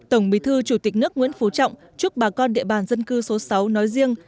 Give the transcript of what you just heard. tổng bí thư chủ tịch nước nguyễn phú trọng chúc bà con địa bàn dân cư số sáu nói riêng